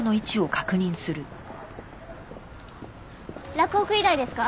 洛北医大ですか？